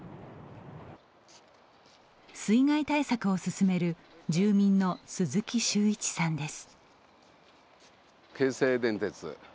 水害対策をすすめる住民の鈴木周一さんです。